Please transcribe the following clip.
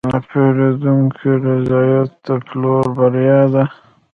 د پیرودونکي رضایت د پلور بریا ده.